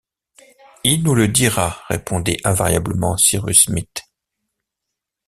Il nous le dira, répondait invariablement Cyrus Smith.